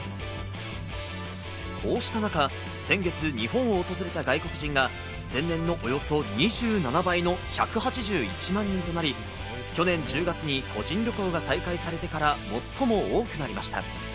こうした中、先月、日本を訪れた外国人が前年のおよそ２７倍の１８１万人となり、去年１０月に個人旅行が再開されてから最も多くなりました。